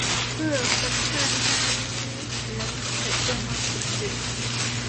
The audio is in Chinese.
厄尔河畔讷伊人口变化图示